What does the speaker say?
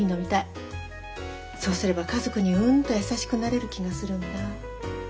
そうすれば家族にうんと優しくなれる気がするんだ。